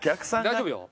大丈夫よ。